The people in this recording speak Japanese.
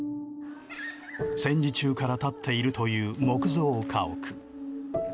戦時中から立っているという木造家屋。